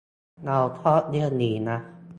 เราชอบเรื่องนี้นะ